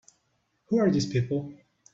Who are these people?